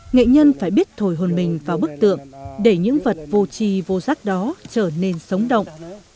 nghệ nhân phải biết thổi hồn mình vào bức tượng để những vật vô trì vô giác đó trở nên sống động